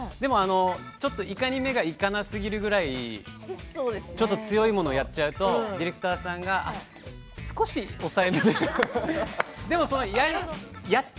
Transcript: イカに目がいかなすぎぐらいちょっと強いものをやってしまうとディレクターさんが少し抑えめでって。